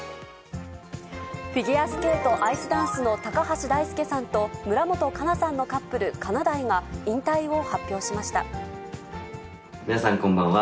フィギュアスケートアイスダンスの高橋大輔さんと村元哉中さんのカップル、かなだいが引退を皆さん、こんばんは。